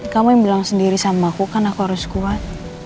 kamu yang bilang sendiri sama aku kan aku harus kuat